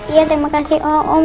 iya terima kasih om